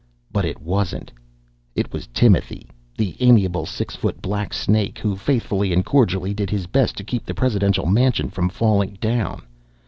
But it wasn't. It was Timothy, the amiable six foot black snake who faithfully and cordially did his best to keep the presidential mansion from falling down.